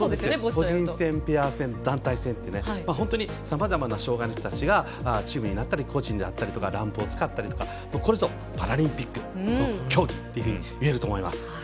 個人戦、ペア戦、団体戦と本当にさまざまな障がいの人たちがチームになったり個人であったりとかこれぞパラリンピックの競技といえると思います。